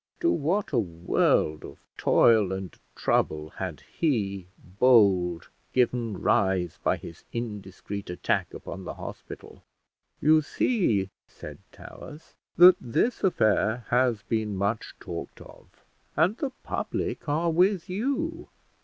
To what a world of toil and trouble had he, Bold, given rise by his indiscreet attack upon the hospital! "You see," said Towers, "that this affair has been much talked of, and the public are with you.